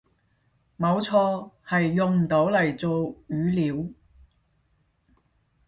冇錯，係用唔到嚟做語料